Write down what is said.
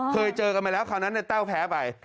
เคยเจอกันมาแล้วคราวนั้นในแต้วแพ้ไป